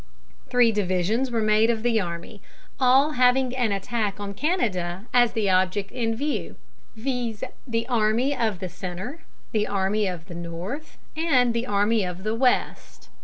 Three divisions were made of the army, all having an attack on Canada as the object in view, viz., the army of the Centre, the army of the North, and the army of the West.